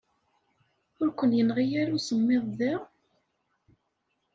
Ur ken-yenɣi ara usemmiḍ da?